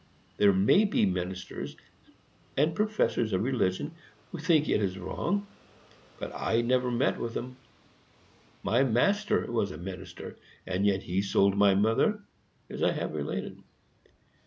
There may be ministers and professors of religion who think it is wrong, but I never met with them. My master was a minister, and yet he sold my mother, as I have related.